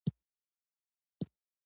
عدالت د بشري ګډ ژوند محور دی.